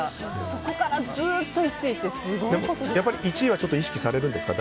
そこからずっと１位って１位は意識されるんですか？